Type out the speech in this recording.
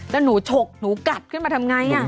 แล้วหนูฉกหนูกัดขึ้นมาทำไง